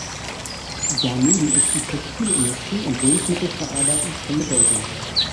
Daneben ist die Textilindustrie und Lebensmittelverarbeitung von Bedeutung.